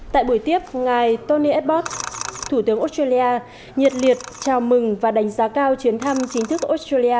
tại buổi tiếp ngài tony abbas thủ tướng australia nhiệt liệt chào mừng và đánh giá cao chuyến thăm chính thức australia